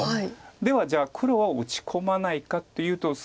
ではじゃあ黒は打ち込まないかというと。